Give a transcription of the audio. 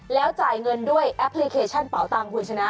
แล้วจ่ายเงินด้วยแอปพลิเคชันเป่าตังค์คุณชนะ